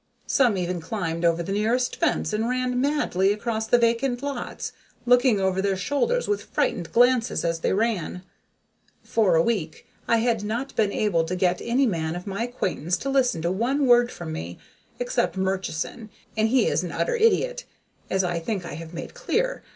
Some even climbed over the nearest fence and ran madly across vacant lots, looking over their shoulders with frightened glances as they ran. For a week I had not been able to get any man of my acquaintance to listen to one word from me, except Murchison, and he is an utter idiot, as I think I have made clear.